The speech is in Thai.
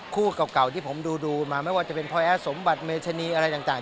คู่เก่าที่ผมดูมาไม่ว่าจะเป็นพลอยแอดสมบัติเมชนีอะไรต่าง